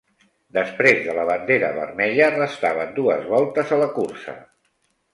Després de la bandera vermella, restaven dues voltes a la cursa.